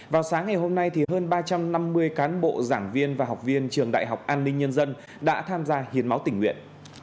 vào sáng ngày hôm nay hơn ba trăm năm mươi cán bộ giảng viên và học viên trường đại học an ninh nhân dân đã tham gia hiến máu tỉnh nguyện